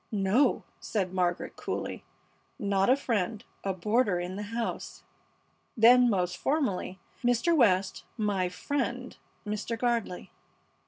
"No," said Margaret, coolly, "not a friend a boarder in the house." Then most formally, "Mr. West, my friend Mr. Gardley."